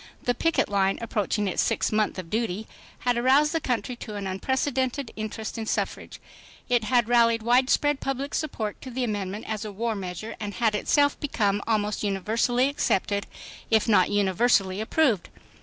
The picket line, approaching its sixth month of duty, had aroused the country to an unprecedented interest in suffrage; it had rallied widespread public support to the amendment as a war measure, and had itself become almost univer sally accepted if not universally approved.